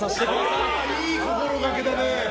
いい心がけだね！